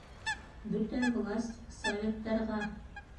Бөтә власть Советтарға!